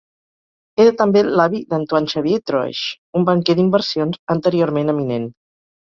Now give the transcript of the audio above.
Era també l'avi d'Antoine-Xavier Troesch, un banquer d'inversions anteriorment eminent.